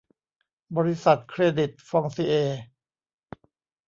บริษัทเครดิตฟองซิเอร์